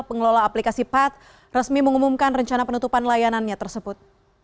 pengelola aplikasi pad resmi mengumumkan rencana penutupan layanannya tersebut